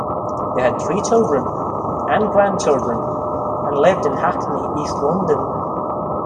They had three children, and grandchildren, and lived in Hackney, east London.